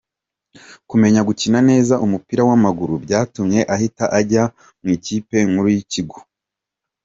Kumenya gukina neza umupira w’amaguru byatumye ahita ajya mu ikipe nkuru y’ikigo.